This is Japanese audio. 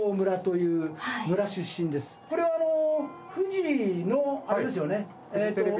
これはフジのあれですよね？